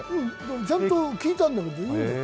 ちゃんと効いたんだけど。